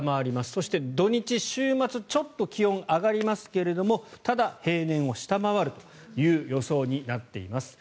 そして土日、週末ちょっと気温、上がりますけれどただ、平年を下回るという予想になっています。